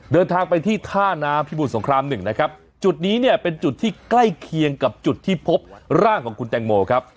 เดินทางไปที่ท่าน้ำพิบูรสงครามหนึ่งนะครับจุดนี้เนี่ยเป็นจุดที่ใกล้เคียงกับจุดที่พบร่างของคุณแตงโมครับ